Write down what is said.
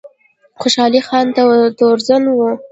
خوشحال خان تورزن و